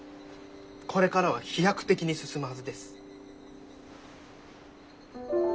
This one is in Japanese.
これからは飛躍的に進むはずです。